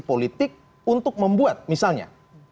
politik untuk membuat misalnya